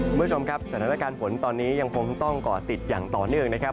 คุณผู้ชมครับสถานการณ์ฝนตอนนี้ยังคงต้องเกาะติดอย่างต่อเนื่องนะครับ